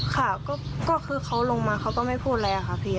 ค่ะก็คือเขาลงมาเขาก็ไม่พูดอะไรค่ะพี่